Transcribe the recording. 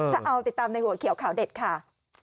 ถ้าเอาติดตามในหัวเขียวข่าวเด็ดค่ะ